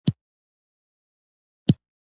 شاه وزیره یاره، بنده په ځنځیر یم